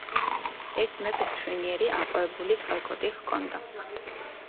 ერთ მეფეს მშვენიერი, აყვავებული წალკოტი ჰქონდა.